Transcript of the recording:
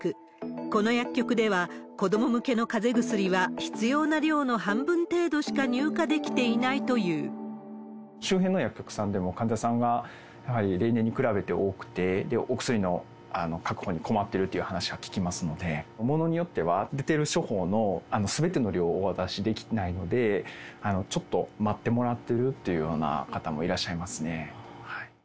この薬局では、子ども向けのかぜ薬は必要な量の半分程度しか入荷できていないと周辺の薬局さんでも、患者さんがやはり例年に比べて多くて、お薬の確保に困ってるっていう話は聞きますので、物によっては出てる処方のすべての量をお出しできないので、ちょっと待ってもらってるっていうような方もいらっしゃいますね。